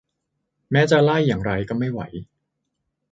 แม้จะไล่อย่างไรก็ไม่ไหว